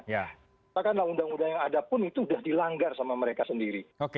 katakanlah undang undang yang ada pun itu sudah dilanggar sama mereka sendiri